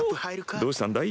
どうしたんだい？